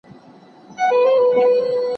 آیا ته د خپلې تنهائۍ په مانا پوهېږې؟